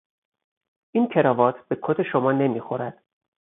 این کراوات به کت شما نمیخورد.